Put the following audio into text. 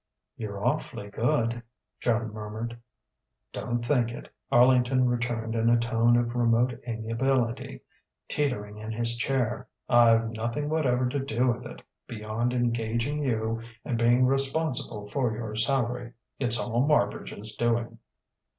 "You're awf'ly good," Joan murmured. "Don't think it," Arlington returned in a tone of remote amiability, teetering in his chair. "I've nothing whatever to do with it, beyond engaging you and being responsible for your salary. It's all Marbridge's doing."